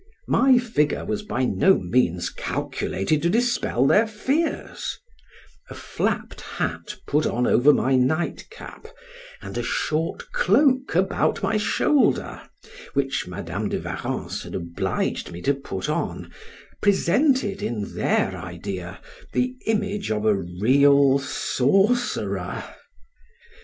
My figure was by no means calculated to dispel their fears; a flapped hat put on over my nightcap, and a short cloak about my shoulder (which Madam de Warrens had obliged me to put on) presented in their idea the image of a real sorcerer.